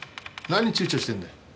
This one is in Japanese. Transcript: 何ちゅうちょしてんだよ。